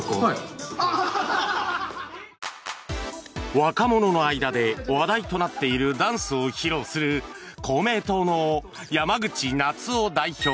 若者の間で話題となっているダンスを披露する公明党の山口那津男代表。